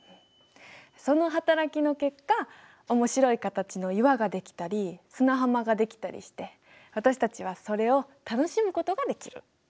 その働きの結果面白い形の岩ができたり砂浜ができたりして私たちはそれを楽しむことができる。